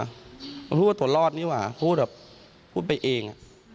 มันพูดว่าตัวรอดนี่หว่าพูดแบบพูดไปเอง